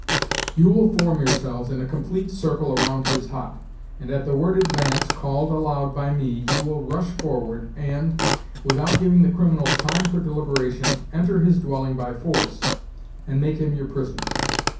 You will form yourselves in a complete circle around his hut, and at the word 'advance,' called aloud by me, you will rush forward and, without giving the criminal time for deliberation, enter his dwelling by force, and make him your prisoner.